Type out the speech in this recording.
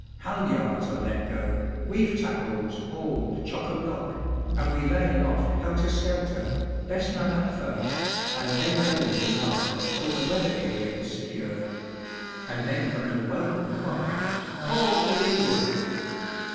Halliards are let go, reef tackles hauled chock a block, and we lay aloft helter skelter, best man up first, and bend over the yard, till the weather earing is secured; and then comes the welcome cry: 'Haul to leeward!'